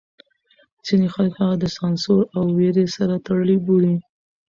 ځینې خلک هغه د سانسور او وېرې سره تړلی بولي.